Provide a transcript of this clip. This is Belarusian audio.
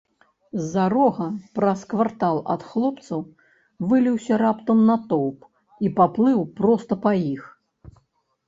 З-за рога, праз квартал ад хлопцаў, выліўся раптам натоўп і паплыў проста па іх.